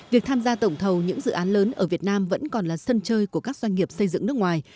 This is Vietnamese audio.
việc tham gia tổng thầu những dự án lớn ở việt nam vẫn còn là sân chơi của các doanh nghiệp xây dựng nước ngoài